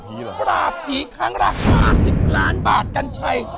ปราบผีครั้งละ๕๐ล้านบาทกัญชัย